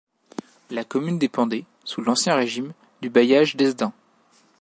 La commune dépendait, sous l'Ancien Régime, du bailliage d'Hesdin.